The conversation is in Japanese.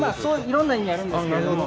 色んな意味あるんですけれども。